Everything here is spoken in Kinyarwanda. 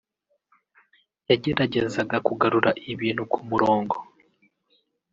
yageragezaga kugarura ibintu ku murongo